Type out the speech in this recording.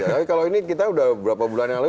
tapi kalau ini kita berapa bulan yang lalu